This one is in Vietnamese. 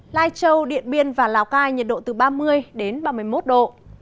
lai châu điện biên và lào cai nhiệt độ từ ba mươi đến ba mươi một độ